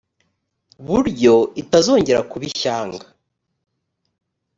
buryo itazongera kuba ishyanga